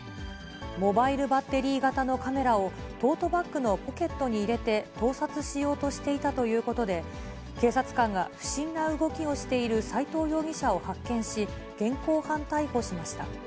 モバイルバッテリー型のカメラを、トートバッグのポケットに入れて盗撮しようとしていたということで、警察官が不審な動きをしている斎藤容疑者を発見し、現行犯逮捕しました。